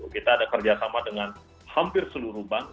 kita ada kerjasama dengan hampir seluruh bank